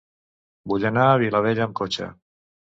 Vull anar a Vilabella amb cotxe.